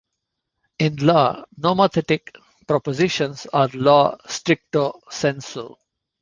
In law, nomothetic propositions are law "stricto sensu".